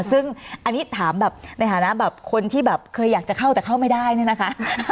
ซึ่งอันนี้ถามแบบในฐานะแบบคนที่แบบเคยอยากจะเข้าแต่เข้าไม่ได้เนี่ยนะคะ